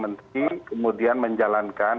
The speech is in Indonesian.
menteri kemudian menjalankan